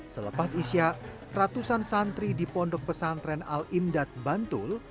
selepas isya ratusan santri di pondok pesantren al imdad bantul